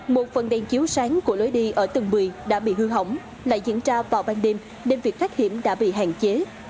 một phần đèn chiếu sáng của lối đi ở tầng một mươi đã bị hư hỏng lại diễn ra vào ban đêm nên việc thoát hiểm đã bị hạn chế